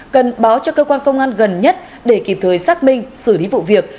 cần báo cho cơ quan công an gần nhất để kịp thời xác minh xử lý vụ việc